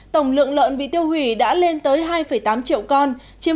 tổng lượng lợn bị tiêu hủy đã lên tới hai tám triệu con